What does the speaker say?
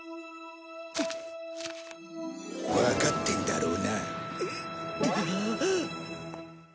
わかってんだろうな？